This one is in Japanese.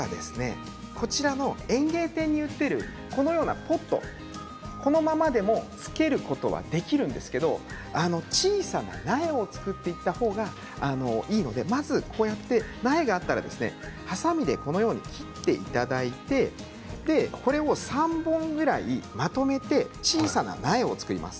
園芸店に売っているこのようなポットこのままでもつけることができるんですけど小さな苗を作っていた方がいいので、まず苗があったらはさみで切っていただいてこれを３本ぐらいまとめて小さな苗を作ります。